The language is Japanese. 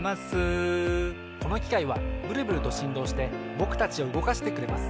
このきかいはブルブルとしんどうしてぼくたちをうごかしてくれます。